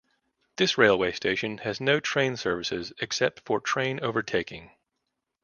This railway station has no train services except for train overtaking.